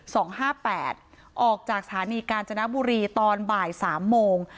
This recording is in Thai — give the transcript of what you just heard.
สองห้าแปดออกจากสถานีกาญจนบุรีตอนบ่ายสามโมง